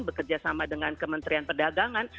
bekerjasama dengan kementerian perdagangan